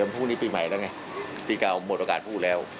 ปีใหม่แล้วไงปีเก่าหมดโอกาสพูดแล้ว